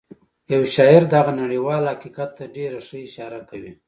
یو شاعر دغه نړیوال حقیقت ته ډېره ښه اشاره کوي